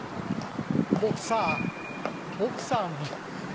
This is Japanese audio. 僕さボクサーなの。